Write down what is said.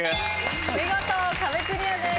見事壁クリアです。